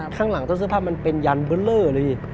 ข้างหลังต้นเสื้อผ้ามันเป็นยันเบอร์เลอร์เลย